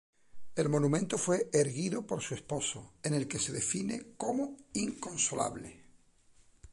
El monumento fue erigido por su esposo, en el que se define como "inconsolable".